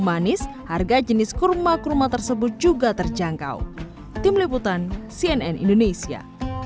manis harga jenis kurma kurma tersebut juga terjangkau tim liputan cnn indonesia